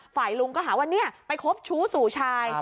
ฝ่ายลุงก็หาว่าเนี่ยไปคบชู้สู่ชาย